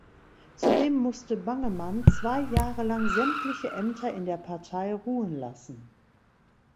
Zudem musste Bangemann zwei Jahre lang sämtliche Ämter in der Partei ruhen lassen.